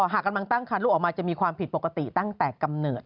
หากกำลังตั้งคันลูกออกมาจะมีความผิดปกติตั้งแต่กำเนิด